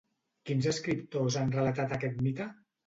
Quins escriptors han relatat aquest mite?